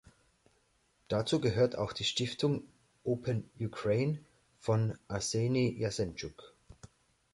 Dazu gehörte auch die Stiftung "Open Ukraine" von Arsenij Jazenjuk.